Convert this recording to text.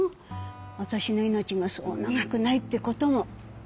私の命がそう長くないってことも。